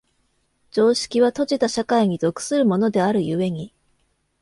常識は閉じた社会に属するものである故に、